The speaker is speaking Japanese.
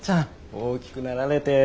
大きくなられて。